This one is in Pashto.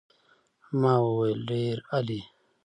ما وویل ډېر عالي.